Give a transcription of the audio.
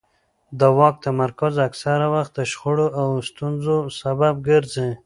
د واک تمرکز اکثره وخت د شخړو او ستونزو سبب ګرځي